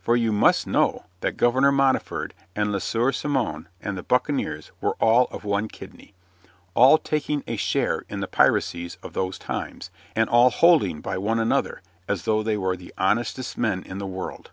For you must know that Governor Modiford and Le Sieur Simon and the buccaneers were all of one kidney all taking a share in the piracies of those times, and all holding by one another as though they were the honestest men in the world.